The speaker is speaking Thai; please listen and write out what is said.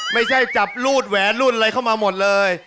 ไม่ใช่จับรูดแหวนรูดอะไรเข้ามาหมดเลย